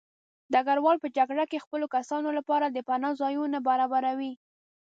ډګروال په جګړه کې د خپلو کسانو لپاره د پناه ځایونه برابروي.